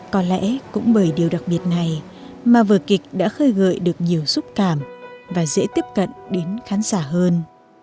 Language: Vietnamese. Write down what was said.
có lẽ cũng bởi điều đặc biệt này mà vở kịch đã khơi gợi được nhiều xúc cảm và dễ tiếp cận đến khán giả hơn